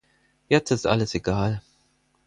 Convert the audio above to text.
Jetzt ist alles egal.